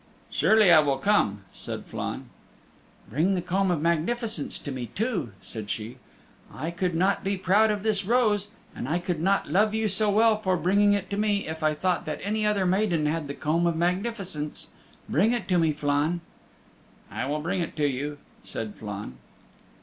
"Surely I will come," said Flann. "Bring the Comb of Magnificence to me too," said she. "I could not be proud of this rose, and I could not love you so well for bringing it to me if I thought that any other maiden had the Comb of Magnificence. Bring it to me, Flann." "I will bring it to you," said Flann.